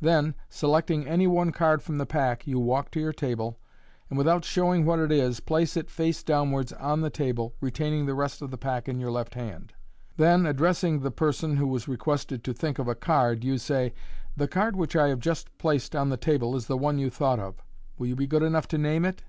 Then, selecting any one card from the pack, you walk to your table, and, without showing what it is, place it face downwards on the table, retaining the rest of the pack in your left hand. Then, addressing the person who was requested to think of a card, you say, " The card which 1 have just placed on the table is the one you thought of. Will you bt good enough to name it